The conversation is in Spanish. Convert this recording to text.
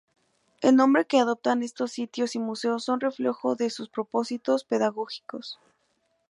El nombre que adoptan estos sitios y museos son reflejo de sus propósitos pedagógicos.